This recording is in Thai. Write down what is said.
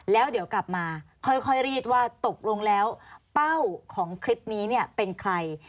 แล้วเดี๋ยวกลับมาค่อยรีดว่าตกลงแล้วเป้าของคลิปนี้เนี่ยเป็นใคร